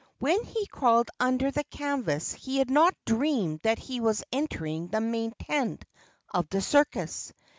When he crawled under the canvas he had not dreamed that he was entering the main tent of the circus.